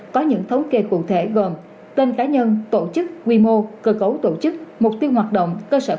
có những thấu kê cụ thể gồm tên cá nhân tổ chức quy mô cơ cấu tổ chức mục tiêu hoạt động